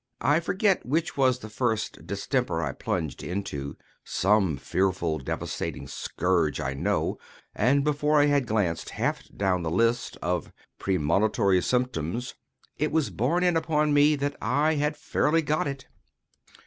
I forget which was the first distemper I plunged into—some fearful, devastating scourge, I know—and, before I had glanced half down the list of "premonitory symptoms," it was borne in upon me that I had fairly got it.